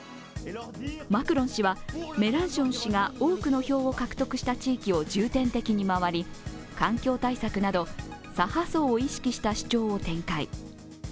マクロン氏はメランション氏が多くの票を獲得した地域を重点的に回り、環境対策など左派層を意識した主張を展開。